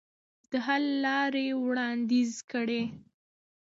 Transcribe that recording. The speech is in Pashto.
د حل لارې وړاندیز کړئ.